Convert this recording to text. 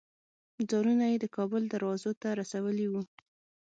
ځانونه یې د کابل دروازو ته رسولي وو.